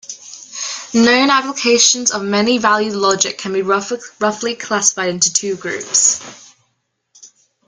Known applications of many-valued logic can be roughly classified into two groups.